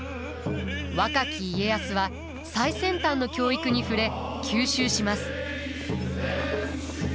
若き家康は最先端の教育に触れ吸収します。